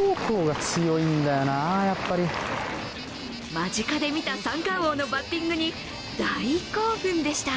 間近で見た三冠王のバッティングに大興奮でした。